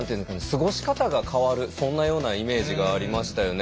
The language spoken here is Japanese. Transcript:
過ごし方が変わるそんなようなイメージがありましたよね。